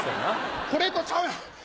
これとちゃうやん。